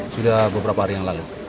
sudah beberapa hari yang lalu